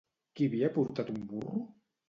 Qui havia portat un burro?